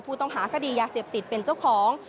ผู้ต้องหาคดียาเสพติดเป็นเจ้าของ